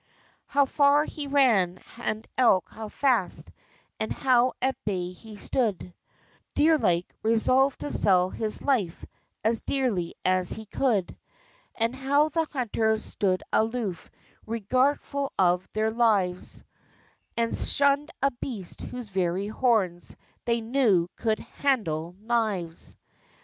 How far he ran, and eke how fast, And how at bay he stood, Deer like, resolved to sell his life As dearly as he could; And how the hunters stood aloof, Regardful of their lives, And shunned a beast, whose very horns They knew could handle knives!